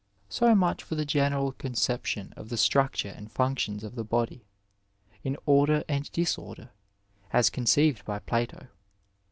^ II So much for the general conceptioA of the structure and functions of the body, in order and disorder, as conceived by Plato.